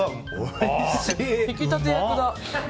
引き立て役だ。